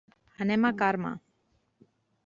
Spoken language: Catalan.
Anem a Carme.